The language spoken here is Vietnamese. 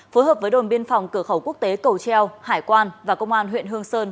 phối hợp với đồn biên phòng cửa khẩu quốc tế cầu treo hải quan và công an huyện hương sơn